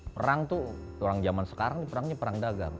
perang tuh orang zaman sekarang ini perangnya perang dagang